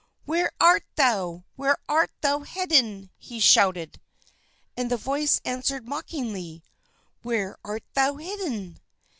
"Where art thou? Where art thou hidden?" he shouted. And the voice answered mockingly: "Where art thou hidden?"